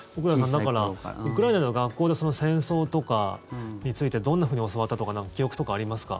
だからウクライナの学校で戦争とかについてどんなふうに教わったとか記憶とかありますか？